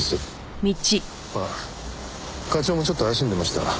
まあ課長もちょっと怪しんでました。